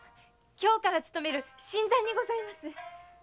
今日から勤める新参にございます。